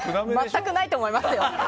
全くないと思います。